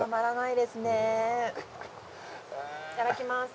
いただきます。